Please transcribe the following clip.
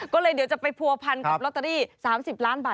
ก็เลยเดี๋ยวจะไปผัวพันกับลอตเตอรี่๓๐ล้านบาท